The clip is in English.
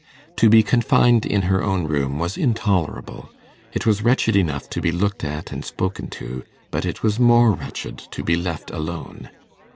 To be confined in her own room was intolerable; it was wretched enough to be looked at and spoken to, but it was more wretched to be left alone.